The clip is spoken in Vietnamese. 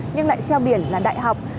nhưng lại treo biển là đại học